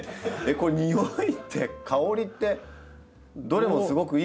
これにおいって香りってどれもすごく良い香りですよお花は。